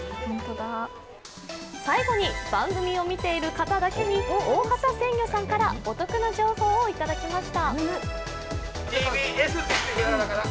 最後に、番組を見ている方だけに大畑鮮魚さんからお得な情報をいただきました。